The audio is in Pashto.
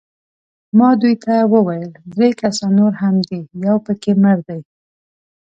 ما دوی ته وویل: درې کسان نور هم دي، یو پکښې مړ دی.